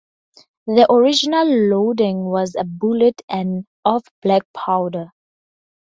The original loading was a bullet and of black powder.